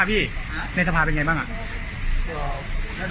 ความจริงก็จะโหวท